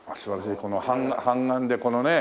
この半眼でこのねえ。